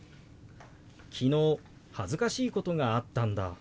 「昨日恥ずかしいことがあったんだ」。